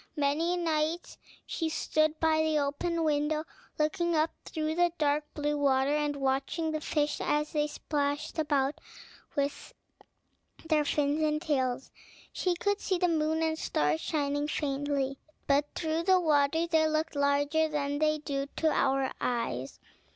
Many nights she stood by the open window, looking up through the dark blue water, and watching the fish as they splashed about with their fins and tails. She could see the moon and stars shining faintly; but through the water they looked larger than they do to our eyes.